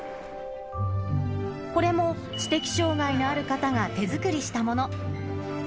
これも知的障がいのある方が手作りしたもの。